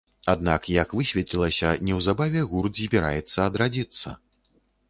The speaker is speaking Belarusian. Аднак, як высветлілася, неўзабаве гурт збіраецца адрадзіцца.